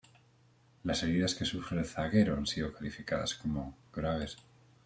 Las heridas que sufre el zaguero han sido calificadas como "graves".